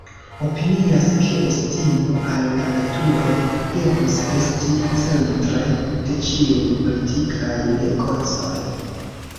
Opinias, ke estimo al la naturo devus esti centre de ĉiuj politikaj negocoj.